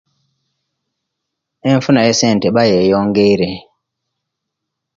Enfuna yesente eba yeyongeire.